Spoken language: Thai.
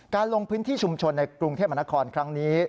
ลงพื้นที่ชุมชนในกรุงเทพมนครครั้งนี้